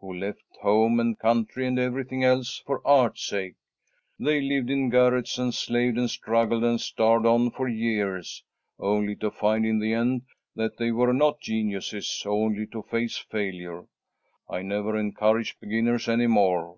Who left home and country and everything else for art's sake. They lived in garrets, and slaved and struggled and starved on for years, only to find in the end that they were not geniuses, only to face failure. I never encourage beginners any more.